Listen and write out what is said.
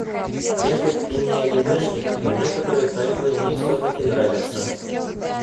Я хоть и не анимешник, но некоторые тайтлы мне всё-таки нравятся.